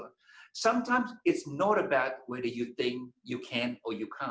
kadang kadang itu bukan tentang apakah kamu berpikir kamu bisa atau tidak